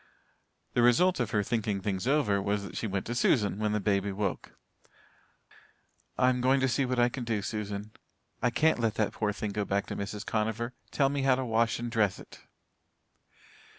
The result of her thinking things over was that she went to Susan when the baby woke. "I'm going to see what I can do, Susan. I can't let that poor little thing go back to Mrs. Conover. Tell me how to wash and dress it."